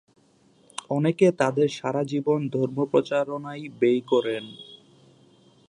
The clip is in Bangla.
অনেকে তাদের সারা জীবন ধর্মপ্রচারণায় ব্যয় করে।